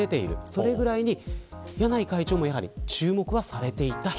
それぐらい柳井会長も注目はされていた人。